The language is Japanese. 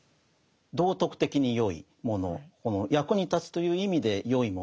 道徳的に善いもの役に立つという意味で善いもの